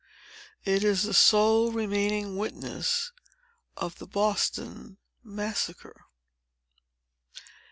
It is the sole remaining witness of the Boston Massacre.